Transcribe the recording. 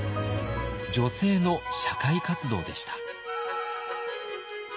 女性の社会活動でした。